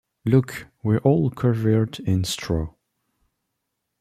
Look, we're all covered in straw!